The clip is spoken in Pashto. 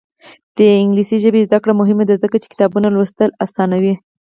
د انګلیسي ژبې زده کړه مهمه ده ځکه چې کتابونه لوستل اسانوي.